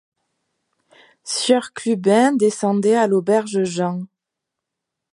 Sieur Clubin descendait à l’auberge Jean.